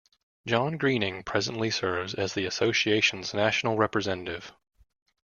John Greening presently serves as the association's National Representative.